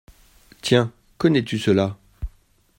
Tiens, connais-tu cela ?